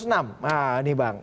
nah ini bang